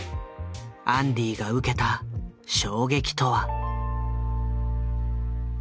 アンディが受けた衝撃とは。